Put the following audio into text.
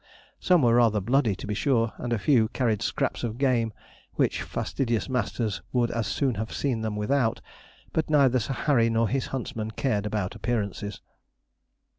Some were rather bloody to be sure, and a few carried scraps of game, which fastidious masters would as soon have seen them without; but neither Sir Harry nor his huntsman cared about appearances.